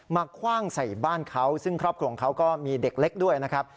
คว่างใส่บ้านเขาซึ่งครอบครัวของเขาก็มีเด็กเล็กด้วยนะครับ